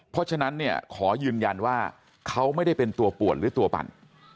เพราะฉะนั้นเนี่ยขอยืนยันว่าเขาไม่ได้เป็นตัวป่วนหรือตัวปั่น